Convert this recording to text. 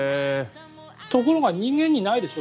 ところが人間にないでしょ。